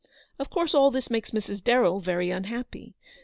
Of course all this makes Mrs. Darrell very unhappy.